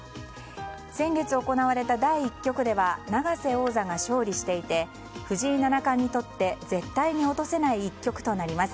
先月行われた第１局では永瀬王座が勝利していて藤井七冠にとって絶対に落とせない一局となります。